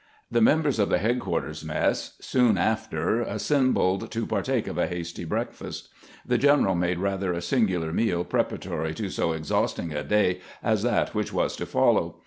The members of the headquarters mess soon after assembled to partake of a hasty breakfast. The general made rather a singular meal preparatory to so exhausting a day as that which was to follow.